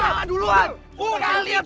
kalian bisa dari malam